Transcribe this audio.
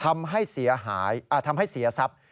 ทำให้เสียหายทำให้เสียทรัพย์